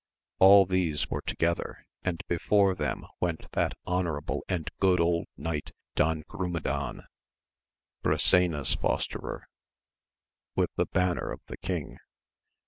All these were together, and before them went that honourable and good old knight Don Grumedan, Brisena's fosterer, with the banner of the king.